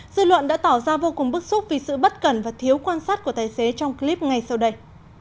dư luận đã tỏ ra vô cùng bức xúc vì sự bất cẩn và thiếu quan sát của tài xế trong clip ngay sau đây